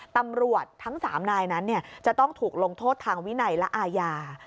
ตำรวจทั้ง๓นายนั้นจะต้องถูกลงโทษทางวินัยและอาญา